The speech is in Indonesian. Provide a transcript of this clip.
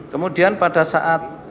kemudian pada saat